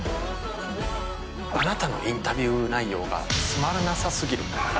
あなたのインタビュー内容がつまならさすぎる。